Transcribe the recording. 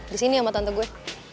disini sama tante gue